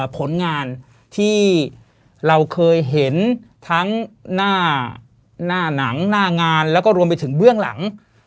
ผลงานที่เราเคยเห็นทั้งหน้าหนังหน้างานแล้วก็รวมไปถึงเบื้องหลัง